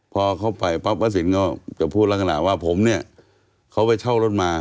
พอเขาไปปั๊บพระสินก็จะพูดลักษณะว่าผมเนี่ยเขาไปเช่ารถมา